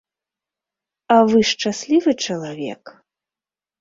А вы шчаслівы чалавек?